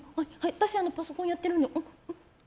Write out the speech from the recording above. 私パソコンやってるんで、うん。